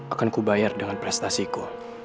akan kubayar dengan prestasiku